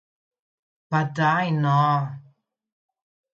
Pa, daj no.